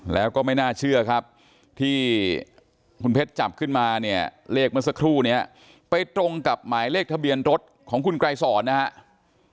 แล้วก็ไม่น่าเชื่อครับที่คุณเพชรจับขึ้นมาเนี่ยเลขเมื่อสักครู่นี้ไปตรงกับหมายเลขทะเบียนรถของคุณไกรสอนนะครับ